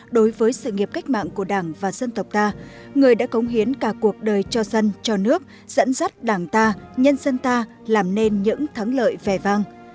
đối với sự nghiệp cách mạng của đảng và dân tộc ta người đã cống hiến cả cuộc đời cho dân cho nước dẫn dắt đảng ta nhân dân ta làm nên những thắng lợi vẻ vang